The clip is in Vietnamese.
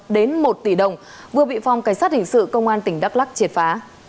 đến một tỷ đồng vừa bị phòng cảnh sát hình sự công an tỉnh đắk lắc triệt phá